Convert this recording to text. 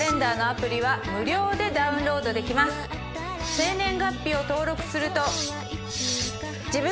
生年月日を登録すると。